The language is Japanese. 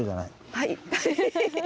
はい。